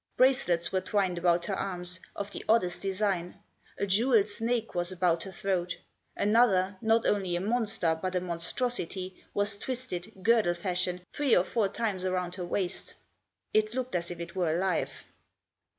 Bracelets were twined about her arms ; of the oddest design. A jewelled snake was about her throat. Another, not only a monster, but a monstrosity, was twisted, girdle fashion, three or four times around her waist. It looked as if it were alive.